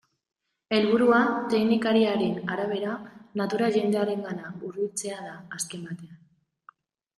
Helburua, teknikariaren arabera, natura jendearengana hurbiltzea da azken batean.